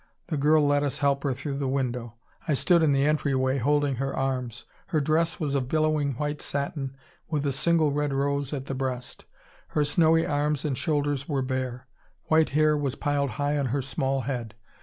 The girl let us help her through the window. I stood in the entryway holding her arms. Her dress was of billowing white satin with a single red rose at the breast; her snowy arms and shoulders were bare; white hair was piled high on her small head.